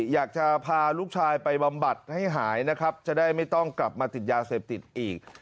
อยากจะพาลูกชายไปบำบัดให้หายนะครับจะได้ไม่ต้องกลับมาติดยาเสพติดอีก